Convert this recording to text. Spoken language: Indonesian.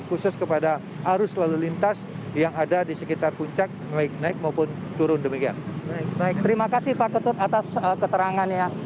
terima kasih pak ketut atas keterangan ya